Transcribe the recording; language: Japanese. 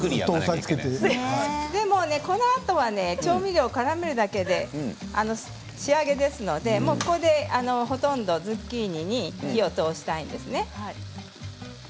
このあとは調味料をからめるだけで仕上げですのでここでしっかりズッキーニに火を通したいんですね。